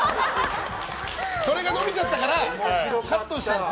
それが延びちゃったからカットしたんです。